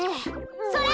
それ！